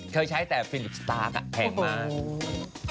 เคยใช้แต่ฟิลิปสตาร์ทแพงมาก